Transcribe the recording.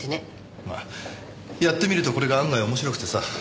やってみるとこれが案外面白くてさ。